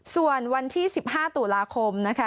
ส่วนวันที่๑๕ตุลาคมนะคะ